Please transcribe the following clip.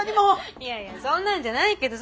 いやいやそんなんじゃないけどさ。